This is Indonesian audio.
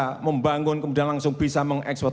bisa membangun kemudian langsung bisa mengekspor